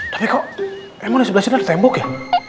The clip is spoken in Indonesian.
tapi kok emang ada tembok ya